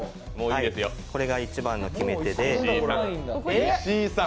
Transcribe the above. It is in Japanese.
これが一番の決め手で。